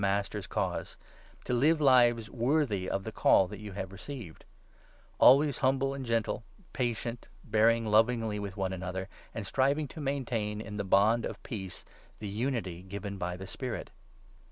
Master's cause — to live lives worthy of the Call that you have received ; always humble and gentle, patient, 2 bearing lovingly with one another, and striving to maintain 3 in the bond of peace the unity given by the Spirit.